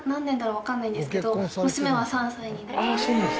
わからないんですけど娘は３歳になります。